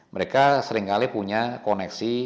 mereka seringkali punya koneksi